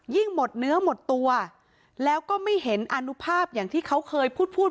หมดเนื้อหมดตัวแล้วก็ไม่เห็นอนุภาพอย่างที่เขาเคยพูดพูด